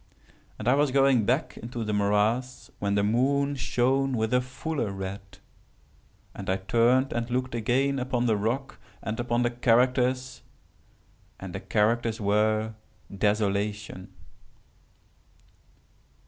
And I was going back into the morass, when the moon shone with a fuller red, and I turned and looked again upon the rock, and upon the characters, and the characters were DESOLATION.